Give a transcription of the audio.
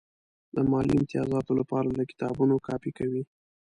د مالي امتیازاتو لپاره له کتابونو کاپي کوي.